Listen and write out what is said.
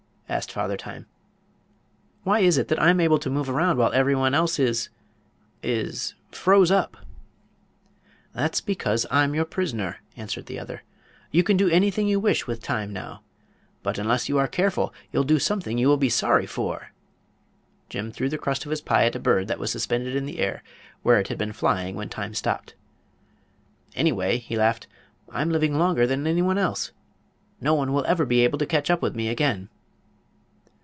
asked Father Time. "Why is it that I'm able to move around while everyone else is—is—froze up?" "That is because I'm your prisoner," answered the other. "You can do anything you wish with Time now. But unless you are careful you'll do something you will be sorry for." Jim threw the crust of his pie at a bird that was suspended in the air, where it had been flying when Time stopped. "Anyway," he laughed, "I'm living longer than anyone else. No one will ever be able to catch up with me again."